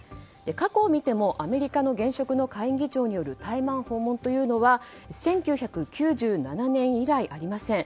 過去を見ても、アメリカの現職の下院議長による台湾訪問というのは１９９７年以来、ありません。